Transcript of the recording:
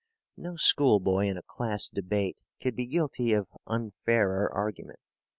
No schoolboy in a class debate could be guilty of unfairer argument.